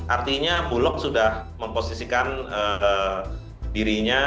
artinya bulog sudah memposisikan dirinya